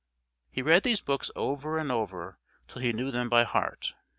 He read these books over and over till he knew them by heart.